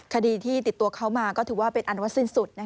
คดีที่ติดตัวเขามาก็ถือว่าเป็นอันว่าสิ้นสุด